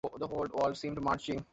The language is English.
The whole world seemed marching.